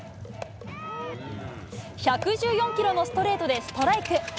１１４キロのストレートでストライク。